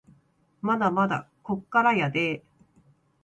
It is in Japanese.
まだまだこっからやでぇ